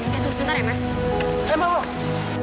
tunggu sebentar ya mas